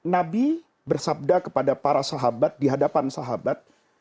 nabi bersabda kepada para sahabat di hadapan sahabat